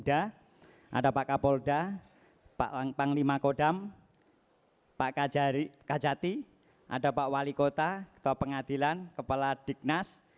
ada pak kapolda pak panglima kodam pak kajati ada pak wali kota ketua pengadilan kepala dignas